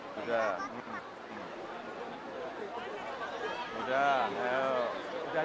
jangan maltake you video